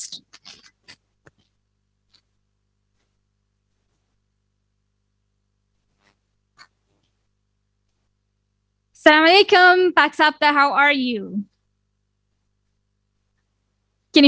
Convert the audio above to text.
assalamu alaikum pak safda bagaimana dengan anda